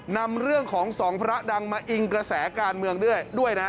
นำเรื่องของสองพระดังมาอิงกระแสการเมืองด้วยด้วยนะ